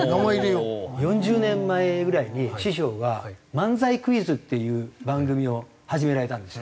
４０年前ぐらいに師匠が「漫才クイズ」っていう番組を始められたんですよ。